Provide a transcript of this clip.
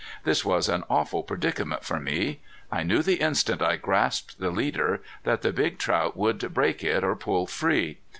This was an awful predicament for me. I knew the instant I grasped the leader that the big trout would break it or pull free.